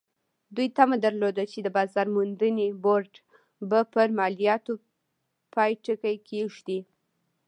دوی تمه درلوده چې د بازار موندنې بورډ به پر مالیاتو پای ټکی کېږدي.